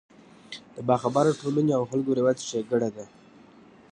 د باخبره ټولنې او خلکو روایت او ښېګړه ده.